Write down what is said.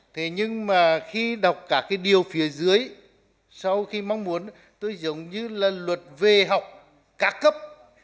thế nhưng mà khi đọc cả cái điều phía dưới sau khi mong muốn tôi giống như là luật về học ca cấp